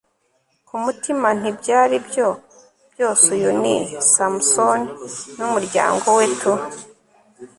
kumutima nti ibyaribyo byose uyu ni samson numuryango we tu